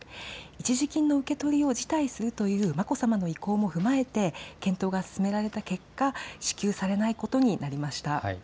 一時金の受け取りを辞退するという眞子さまの意向も踏まえて検討が進められた結果、支給されないことになりました。